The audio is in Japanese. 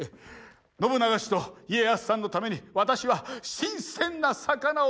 信長氏と家康さんのために私は新鮮な魚をかき集めてきたのに。